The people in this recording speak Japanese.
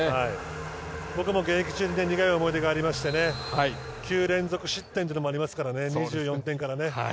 僕も現役中に苦い思い出がありまして９連続失点というのもありましたからね。